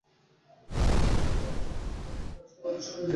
এরপর সে একটি পাথরের মধ্যে প্রবেশ করে অদৃশ্য হয়ে যায়।